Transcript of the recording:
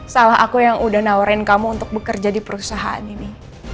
salah aku yang udah nawarin kamu untuk bekerja di perusahaan ini